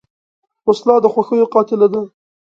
وسله د خوښیو قاتله ده